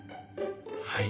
はい。